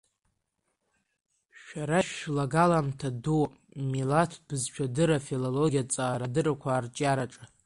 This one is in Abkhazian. Шәара шәлагаламҭа дууп амилаҭтә бызшәадырра, афилологиатә ҭҵаарадырра арҿиараҿы.